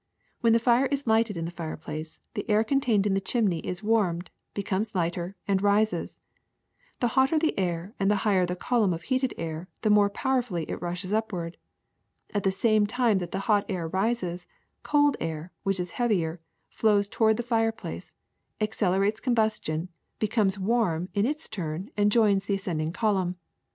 When the fire is lighted in the fireplace, the air contained in the chimney is warmed, becomes lighter, and rises. The hotter the air and the higher the column of heated air, the more powerfully it rushes upward. At the same time that the hot air rises, cold air, which is heavier, flows toward the fireplace, accelerates combustion, becomes warm in 13g THE SECRET OF EVERYDAY THINGS its turn, and joins the ascending column.